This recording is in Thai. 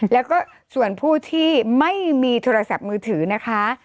แล้วก็ส่วนผู้ที่ไม่มีโทรศัพท์มือถือนะคะ